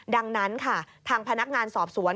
ดังนั้นค่ะทางพนักงานสอบสวน